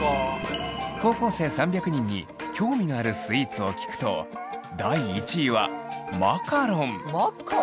高校生３００人に興味のあるスイーツを聞くと第１位はマカロン！